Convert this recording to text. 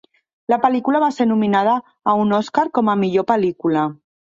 La pel·lícula va ser nominada a un Oscar com a Millor Pel·lícula.